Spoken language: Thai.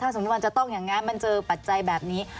สมมุติมันจะต้องอย่างนั้นมันเจอปัจจัยแบบนี้